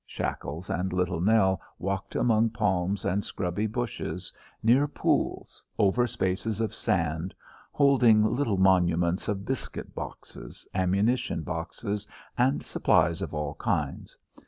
Shackles and Little Nell walked among palms and scrubby bushes, near pools, over spaces of sand holding little monuments of biscuit boxes, ammunition boxes, and supplies of all kinds.